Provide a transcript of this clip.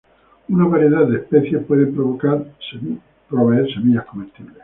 Una variedad de especies pueden proveer semillas comestibles.